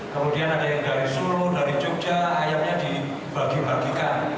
kemudian ada yang dari solo dari jogja ayamnya dibagi bagikan